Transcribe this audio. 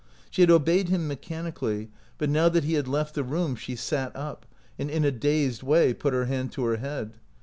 She had obeyed him mechanically, but now that he had left the room she sat up, and in a dazed way put her hand to her head.